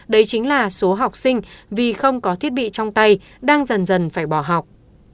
đây chính là số học sinh vì không có thiết bị trong tay đang dần dần phải bỏ học